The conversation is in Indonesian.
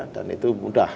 dan itu mudah